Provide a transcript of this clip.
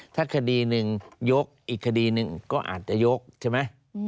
ถ้าคดีหนึ่งยกอีกคดีหนึ่งก็อาจจะยกใช่ไหม